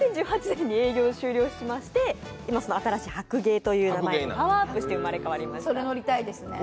２０１８年に営業を終了しまして今、新しい白鯨という名前にパワーアップして生まれ変わりました。